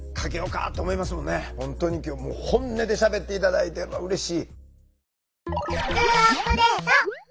本当に今日本音でしゃべって頂いてうれしい。